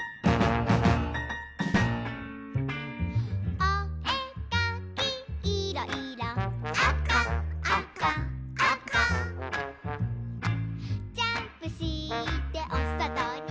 「おえかきいろ・いろ」「あかあかあか」「ジャンプしておそとにぽーん！」